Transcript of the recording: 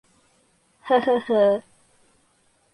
— Һы-һы-ы...